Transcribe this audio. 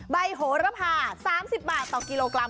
โหระพา๓๐บาทต่อกิโลกรัม